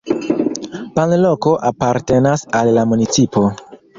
Banloko apartenas al la municipo.